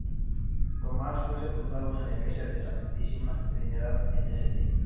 Tomás fue sepultado en la iglesia de la Santísima Trinidad, en St.